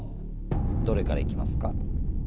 どれから行きますか？